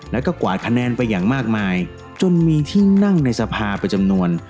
แล้วก็กวาดคะแนนไปอย่างมากมายจนมีที่นั่งในสภาไปจำนวน